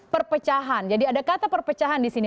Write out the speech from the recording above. perpecahan jadi ada kata perpecahan di sini